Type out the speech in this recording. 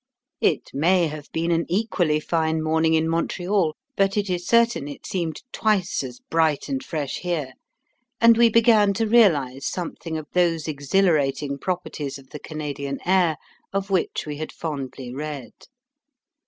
It may have been an equally fine morning in Montreal, but it is certain it seemed twice as bright and fresh here, and we began to realise something of those exhilarating properties of the Canadian air of which we had fondly read.